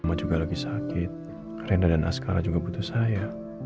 mama juga lagi sakit rena dan askara juga butuh saya